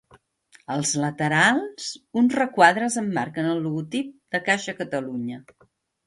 Als laterals uns requadres emmarquen el logotip de Caixa Catalunya.